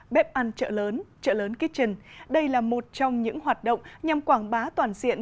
bếp ăn chợ lớn chợ lớn kitchen đây là một trong những hoạt động nhằm quảng bá toàn diện